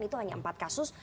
itu hanya empat kasus